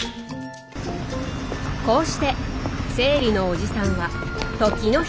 こうして生理のおじさんは時の人になった。